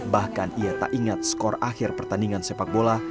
bahkan ia tak ingat skor akhir pertandingan sepak bola